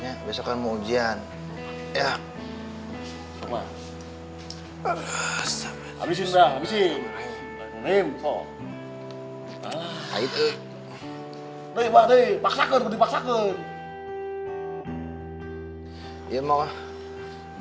belajarnya besokan mau ujian ya hai semua habis habis ini nipo itu lebih paksa paksa